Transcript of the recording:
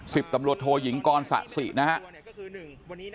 สิบตำรวจโทยิงกรสะสินะครับ